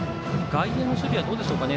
外野の守備はどうでしょうか？